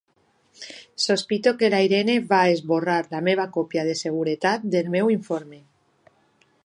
Sospito que la Irene va esborrar la meva còpia de seguretat del meu informe.